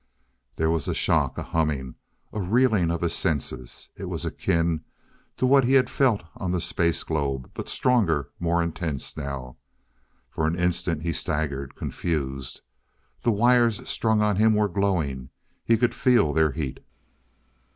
There was a shock a humming a reeling of his senses. It was akin to what he had felt on the space globe, but stronger, more intense now. For an instant he staggered, confused. The wires strung on him were glowing; he could feel their heat.